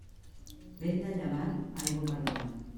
Vent de llevant, aigua per davant.